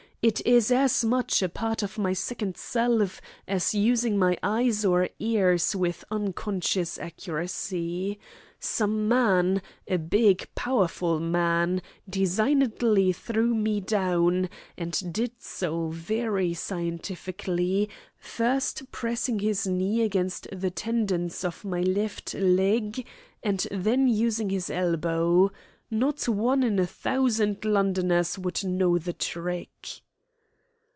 It is as much a part of my second self as using my eyes or ears with unconscious accuracy. Some man a big, powerful man designedly threw me down, and did so very scientifically, first pressing his knee against the tendons of my left leg, and then using his elbow. Not one in a thousand Londoners would know the trick."